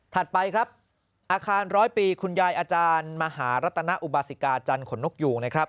ไปครับอาคารร้อยปีคุณยายอาจารย์มหารัตนอุบาสิกาจันทร์ขนนกยูงนะครับ